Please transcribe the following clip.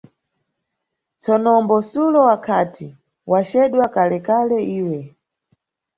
Tsonombo Sulo akhati: wacedwa kale-kale iwe.